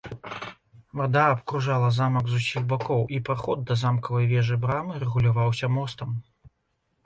Вада абкружала замак з усіх бакоў і праход да замкавай вежы-брамы рэгуляваўся мостам.